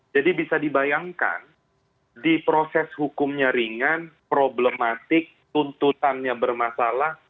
jadi bisa dibayangkan di proses hukumnya ringan problematik tuntutannya bermasalah